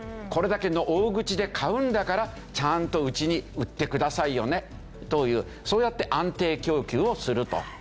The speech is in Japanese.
「これだけの大口で買うんだからちゃんとうちに売ってくださいよね」というそうやって安定供給をすると。